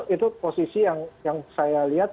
itu posisi yang saya lihat